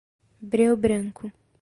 Breu Branco